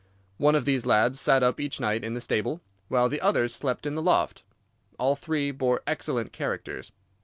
One of these lads sat up each night in the stable, while the others slept in the loft. All three bore excellent characters.